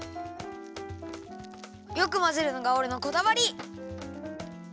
よくまぜるのがおれのこだわり！